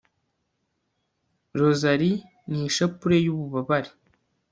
rozari n'ishapule y'ububabare